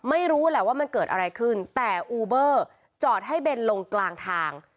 ไม่รู้แหละว่ามันเกิดอะไรขึ้นแต่อูเบอร์จอดให้เบนลงกลางทาง